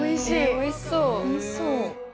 おいしそう。